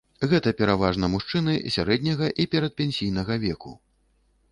Гэта пераважна мужчыны сярэдняга і перадпенсійнага веку.